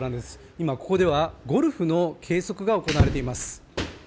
今、ここではゴルフの計測が行われています。